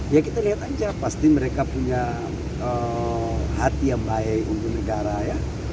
jadi kita lihat aja pasti mereka punya hati yang baik untuk negara ya